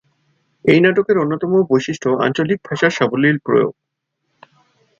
এই নাটকের অন্যতম বৈশিষ্ট্য আঞ্চলিক ভাষার সাবলীল প্রয়োগ।